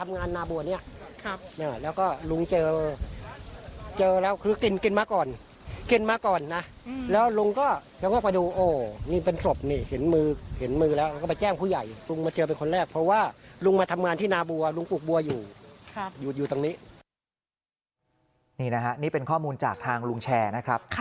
นี่นะฮะนี่เป็นข้อมูลจากทางลุงแชร์นะครับ